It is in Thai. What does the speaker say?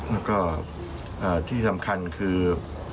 แล้วก็ที่สำคัญคือ